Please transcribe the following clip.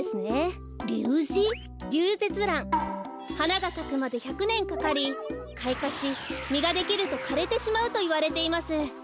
リュウゼツラン。はながさくまで１００ねんかかりかいかしみができるとかれてしまうといわれています。